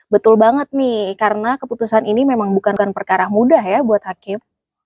betul banget nih karena keputusan ini memang bukan perkara mudah ya buat hakim